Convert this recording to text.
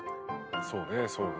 そうねそうね。